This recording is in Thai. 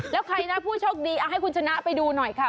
แล้วใครนะผู้โชคดีเอาให้คุณชนะไปดูหน่อยค่ะ